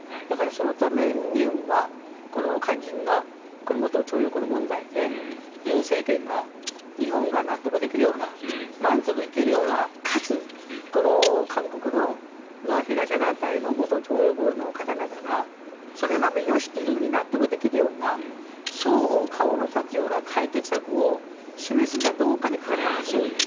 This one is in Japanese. そのためには肝心の元徴用工の問題で尹政権が日本が納得できるような満足いくようなかつ、この韓国の被害者団体の元徴用工の方々がそれならよしというふうに納得できるような双方顔の立つような解決策を示せるかどうかにかかっているんですね。